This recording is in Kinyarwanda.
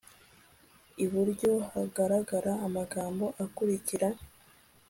iburyo hagaragara amagambo akurikira